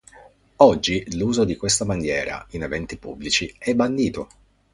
Oggi, l'uso di questa bandiera in eventi pubblici è bandito.